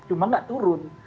cuma tidak turun